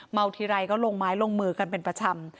ทีไรก็ลงไม้ลงมือกันเป็นประจำ